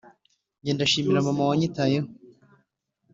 Njye ndashimira mama winyitayeho